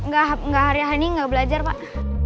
gak hari hari ini gak belajar pak